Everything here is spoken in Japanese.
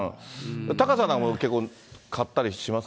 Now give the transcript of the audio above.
タカさんは結構買ったりします？